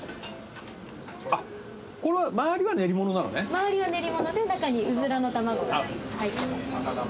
周りは練り物で中にうずらの卵が入ってます。